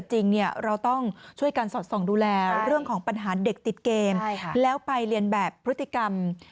ฟังเสียงคุณแม่และก็น้องที่เสียชีวิตค่ะ